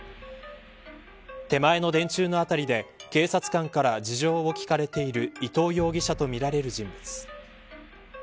手前の電柱の辺りで警察官から事情を聴かれている伊藤容疑者とみられる人物。